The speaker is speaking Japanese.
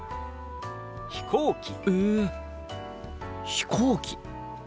飛行機。